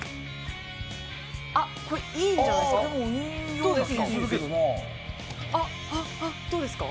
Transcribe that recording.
これ、いいんじゃないですかどうですか？